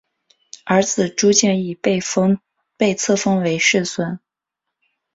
儿子朱健杙被册封为世孙。